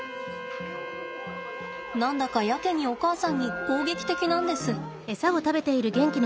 何だかやけにお母さんに攻撃的なんです。